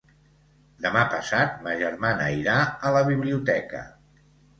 Demà passat ma germana irà a la biblioteca.